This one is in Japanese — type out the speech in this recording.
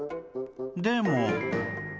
でも